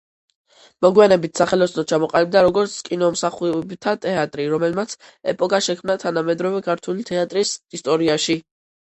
მოგვიანებით „სახელოსნო“ ჩამოყალიბდა როგორც „კინომსახიობთა თეატრი“, რომელმაც ეპოქა შექმნა თანამედროვე ქართული თეატრის ისტორიაში.